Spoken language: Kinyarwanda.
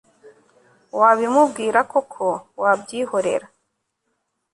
wabimubwira koko wabyihorera